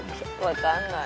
分かんない。